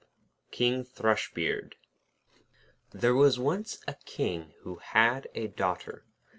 King Thrushbeard There was once a King who had a Daughter.